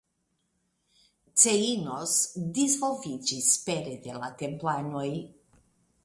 Ceinos disvolviĝis pere de la Templanoj.